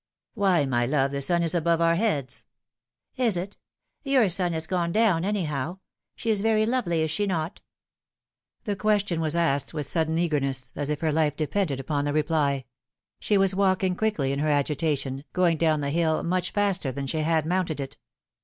' Why. my love, the sun is above our heads !"" Is it ? Tour sun is gone down, anyhow. She is very lovely, is she not ?" The question was asked with sudden eagerness, as if her life depended upon the reply. She was walking quickly in her agitation, going down the hill much faster than she had mounted it.